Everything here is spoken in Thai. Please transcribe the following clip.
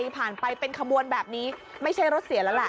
ผ่านไปเป็นขบวนแบบนี้ไม่ใช่รถเสียแล้วแหละ